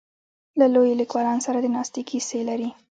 له لویو لیکوالو سره د ناستې کیسې لري.